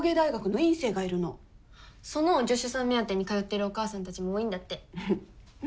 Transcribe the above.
その助手さん目当てに通ってるおかあさんたちも多いんだって。